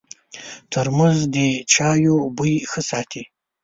ترموز د چایو بوی ښه ساتي.